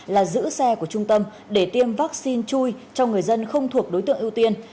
là giữ xe của trung tâm để tiêm vaccine chui cho người dân không thuộc đối tượng ưu tiên